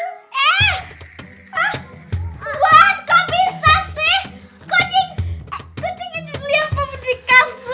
kucing eh kucing incis lia pembentikan bus